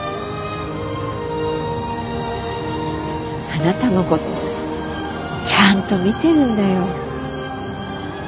あなたのことちゃんと見てるんだよ。